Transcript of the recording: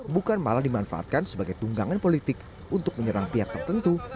bukan malah dimanfaatkan sebagai tunggangan politik untuk menyerang pihak tertentu